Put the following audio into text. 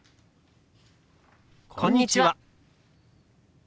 「こんにちは」。